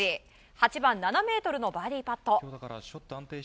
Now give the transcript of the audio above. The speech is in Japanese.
８番７ｍのバーディーパット。